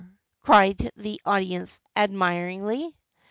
" cried her audience admiringly.